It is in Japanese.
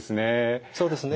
そうですね。